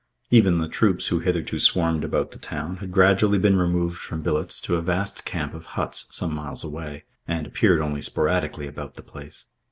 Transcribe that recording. Even the troops who hitherto swarmed about the town had gradually been removed from billets to a vast camp of huts some miles away, and appeared only sporadically about the place.